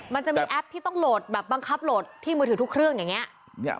มันจะมีแอปที่ต้องโหลดแบบบังคับโหลดที่มือถือทุกเครื่องอย่างนี้